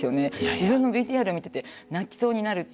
自分のＶＴＲ見てて泣きそうになるって。